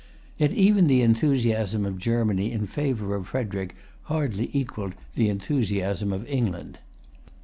Yet even the enthusiasm of Germany in favor of Frederic hardly equalled the enthusiasm of England.